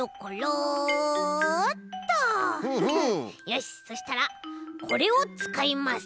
よしそしたらこれをつかいます！